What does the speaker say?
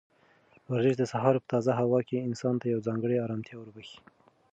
ورزش د سهار په تازه هوا کې انسان ته یوه ځانګړې ارامتیا وربښي.